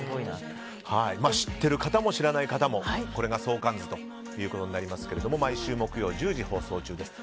知ってる方も知らない方もこれが相関図ということになりますが毎週木曜１０時放送中です。